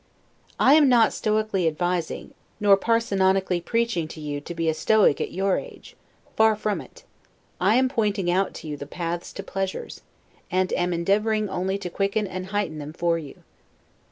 I am not stoically advising, nor parsonically preaching to you to be a Stoic at your age; far from it: I am pointing out to you the paths to pleasures, and am endeavoring only to quicken and heighten them for you.